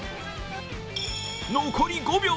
残り５秒。